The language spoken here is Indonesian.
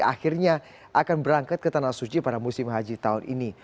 akhirnya akan berangkat ke tanah suci pada musim haji tahun ini